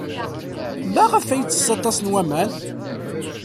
Maɣef ay yettess aṭas n waman?